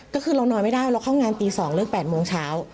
ก็คือเรานอนไม่ได้เราเข้างานตี๒เลิก๘โมงเช้า